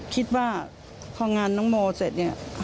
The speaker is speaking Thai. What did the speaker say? คิดว่าพองานน้องโมเสร็จ